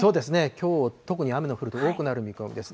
きょう、特に雨の降る所、多くなる見込みです。